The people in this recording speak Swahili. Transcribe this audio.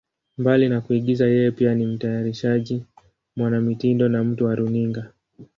Mbali na kuigiza, yeye pia ni mtayarishaji, mwanamitindo na mtu wa runinga.